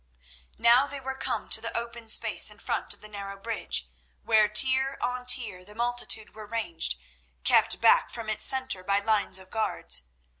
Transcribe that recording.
Now they were come to the open space in front of the narrow bridge, where, tier on tier, the multitude were ranged, kept back from its centre by lines of guards.